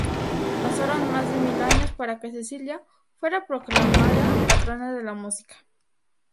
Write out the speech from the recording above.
Pasaron más de mil años para que Cecilia fuera proclamada patrona de la música.